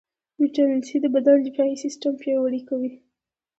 ويټامين C د بدن دفاعي سیستم پیاوړئ کوي.